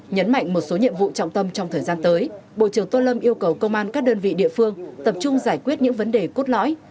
nhấn mạnh một số nhiệm vụ trọng tâm trong thời gian tới bộ trưởng tô lâm yêu cầu công an các đơn vị địa phương tập trung giải quyết những vấn đề cốt lõi